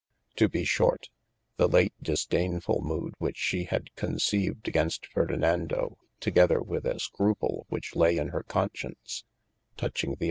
EE2 435 THE ADVENTURES To be short, the late disdayneful moode which she had coceived against Ferdinado togither with a scrupule which lay in hir conscience, touching the xi.